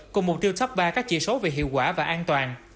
cùng mục tiêu top ba các chỉ số về hiệu quả và an toàn